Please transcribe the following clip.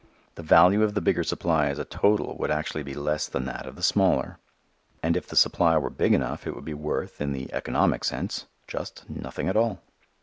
The value of the bigger supply as a total would actually be less than that of the smaller. And if the supply were big enough it would be worth, in the economic sense, just nothing at all.